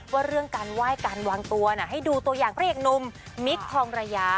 ว่าเรื่องการไหว้การวางตัวให้ดูตัวอย่างพระเอกหนุ่มมิคทองระยา